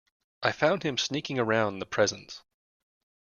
I found him sneaking around the presents.